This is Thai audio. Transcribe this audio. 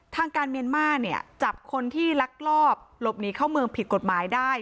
ทางการเมียนมาร์เนี่ยจับคนที่ลักลอบหลบหนีเข้าเมืองผิดกฎหมายได้